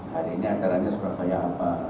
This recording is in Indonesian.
hari ini acaranya surabaya apa